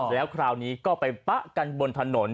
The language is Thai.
แล้วคราวนี้ก็ไปปะกันบนถนน